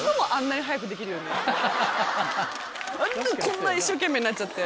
こんな一生懸命になっちゃって。